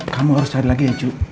kamu harus cari lagi ya ju